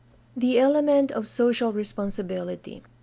The element of social responsibility.